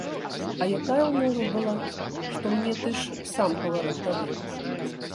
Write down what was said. А якая ўмова была, што мне ты ж сам гаварыў тады?